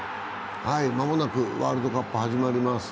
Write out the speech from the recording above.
間もなくワールドカップ始まります。